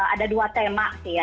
ada dua tema sih ya